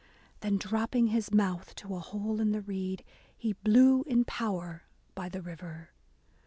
Then, dropping his mouth to a hole in the reed. He blew in power by the river.